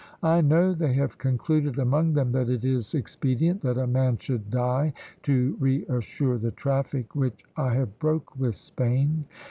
I know they have concluded among them that it is expedient that a man should die, to re assure the traffick which I have broke with Spain."